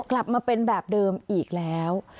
กลับมาเป็นแบบเดิมอีกแล้ว